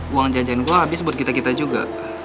uang jajan gue habis buat kita kita juga